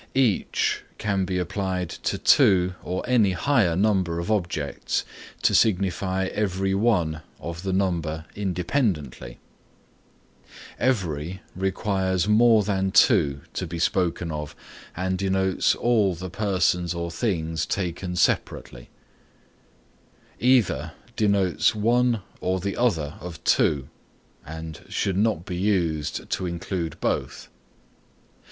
Each can be applied to two or any higher number of objects to signify every one of the number independently. Every requires more than two to be spoken of and denotes all the persons or things taken separately. Either denotes one or the other of two, and should not be used to include both.